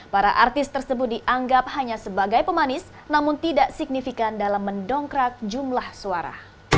para artis tersebut dianggap hanya sebagai pemanis namun tidak signifikan dalam mendongkrak jumlah suara